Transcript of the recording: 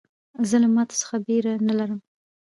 زه له ماتو څخه بېره نه لرم.